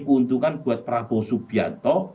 keuntungan buat prabowo subianto